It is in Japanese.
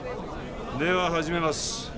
では始めます